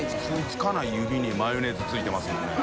當付かない指にマヨネーズ付いてますもんね。